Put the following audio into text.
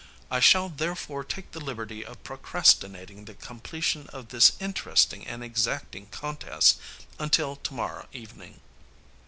I shall therefore take the liberty of procrastinating the completion of this interesting and exacting contest until to morrow evening.